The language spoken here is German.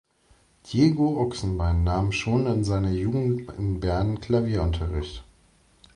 Diego Ochsenbein nahm schon in seiner Jugend in Bern Klavierunterricht.